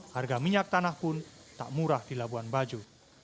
harga minyak tanah pun tak murah di labuan bajo